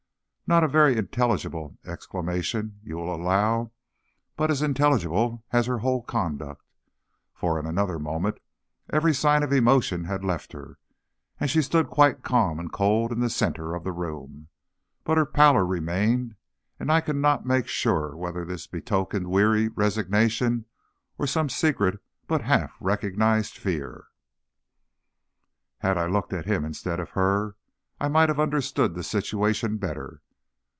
Not a very intelligible exclamation, you will allow, but as intelligible as her whole conduct. For in another moment every sign of emotion had left her, and she stood quite calm and cold in the center of the room. But her pallor remained, and I cannot make sure now whether this betokened weary resignation or some secret and but half recognized fear. Had I looked at him instead of at her, I might have understood the situation better.